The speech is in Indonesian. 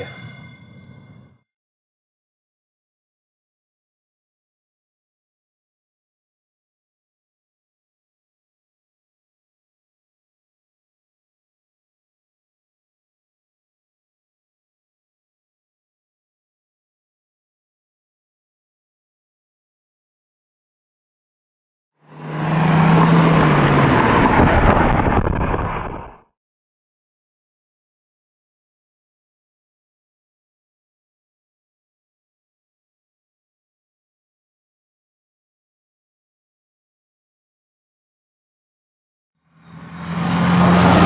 ya apa tadi